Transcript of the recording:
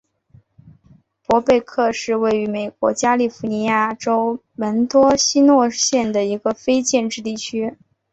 伯贝克是位于美国加利福尼亚州门多西诺县的一个非建制地区。